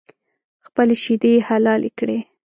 خپلې شیدې یې حلالې کړې.